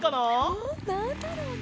おおなんだろうね？